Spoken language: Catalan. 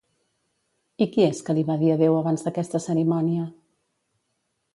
I qui és que li va dir adeu abans d'aquesta cerimònia?